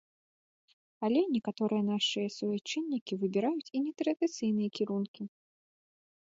Але некаторыя нашыя суайчыннікі выбіраюць і нетрадыцыйныя кірункі.